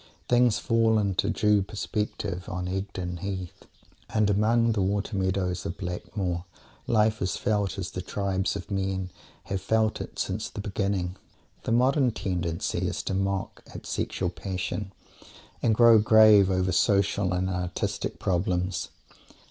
Things fall into due perspective on Egdon Heath, and among the water meadows of Blackmoor life is felt as the tribes of men have felt it since the beginning. The modern tendency is to mock at sexual passion and grow grave over social and artistic problems.